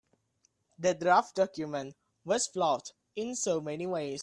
The draft document was flawed in so many ways.